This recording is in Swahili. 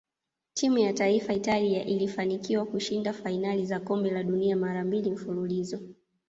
Timu ya taifa Italia ilifanikiwa kushinda fainali za kombe la dunia mara mbili mfululizo